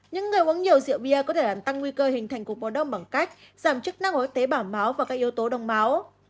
những người uống nhiều rượu bia có thể làm tăng nguy cơ hình thành cuộc bỏ đông bằng cách giảm chức năng y tế bảo máu và các yếu tố đông máu